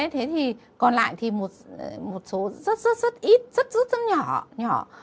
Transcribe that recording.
thế thì còn lại thì một số rất rất rất ít rất rất rất nhỏ